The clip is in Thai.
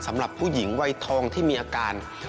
สำหรับผู้หญิงวัยทองที่มีอาการ